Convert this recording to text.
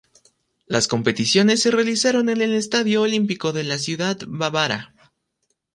Las competiciones se realizaron en el Estadio Olímpico de la ciudad bávara.